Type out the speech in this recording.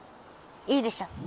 いいでしょ。